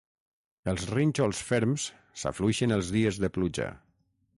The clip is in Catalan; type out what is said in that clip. Els rínxols ferms s'afluixen els dies de pluja.